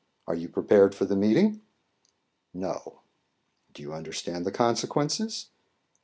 Are you prepared for the meeting?" "No." "Do you understand the consequences?"